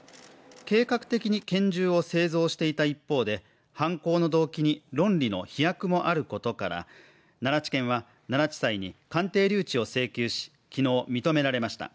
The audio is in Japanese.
計画的に拳銃を製造していた一方で犯行の動機に論理の飛躍もあることから奈良地検は、奈良地裁に鑑定留置を請求し、昨日、認められました。